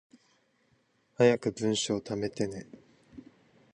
早く文章溜めてね